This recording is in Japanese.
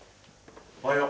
おはよう。